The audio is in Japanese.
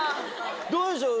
どうでしょう？